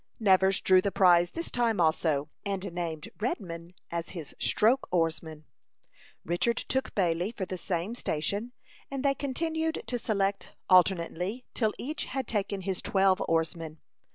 Nevers drew the prize this time also, and named Redman as his stroke oarsman. Richard took Bailey for the same station, and they continued to select alternately till each had taken his twelve oarsmen.